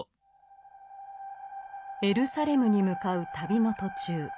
エルサレムに向かう旅の途中。